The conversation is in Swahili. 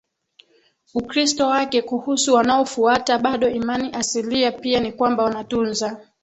Ukristo wake Kuhusu wanaofuata bado imani asilia pia ni kwamba wanatunza